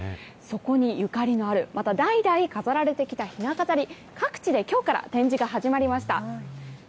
そこにゆかりのある、また代々飾られてきたひな飾り、各地できょうから展示が始まりました。